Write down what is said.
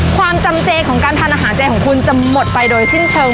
ความจำเจของการทานอาหารเจของคุณจะหมดไปโดยสิ้นเชิง